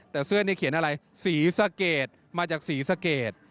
แต่เสื้อนี้เขียนอะไรศรีสะเกดมาจากศรีสะเกด